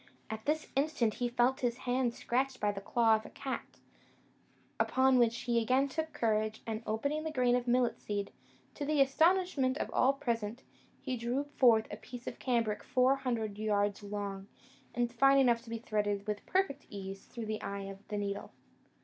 At this instant he felt his hand scratched by the claw of a cat; upon which he again took courage, and opening the grain of millet seed, to the astonishment of all present, he drew forth a piece of cambric four hundred yards long, and fine enough to be threaded with perfect ease through the eye of the needle.